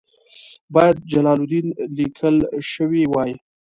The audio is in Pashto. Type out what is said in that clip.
باید جلال الدین لیکل شوی وای.